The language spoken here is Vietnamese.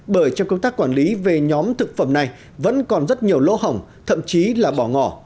bởi trong công tác quản lý về nhóm thực phẩm này vẫn còn rất nhiều lỗ hỏng thậm chí là bỏ ngỏ